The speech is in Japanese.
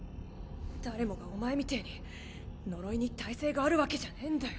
誰もがお前みてぇに呪いに耐性があるわけじゃねぇんだよ。